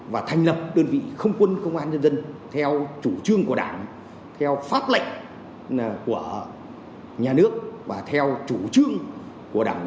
và thành lập đơn vị không quân công an nhân dân theo chủ trương của đảng theo pháp lệnh của nhà nước và theo chủ trương của đảng